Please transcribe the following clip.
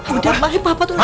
udah maik papa tuh lagi